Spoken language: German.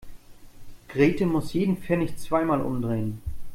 Grete muss jeden Pfennig zweimal umdrehen.